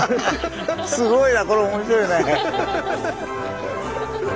すごいなこれ面白いね。